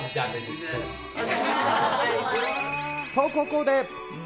と、ここで。